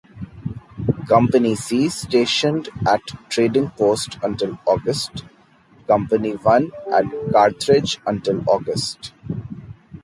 Company C stationed at Trading Post until August; Company One at Carthage until August.